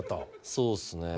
そうっすね。